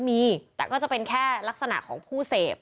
มีแต่ก็จะเป็นแค่ลักษณะของผู้เสพ